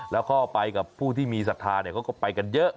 แล้วก็ไปกับผู้ที่มีสถานก็ไปกันเยอะ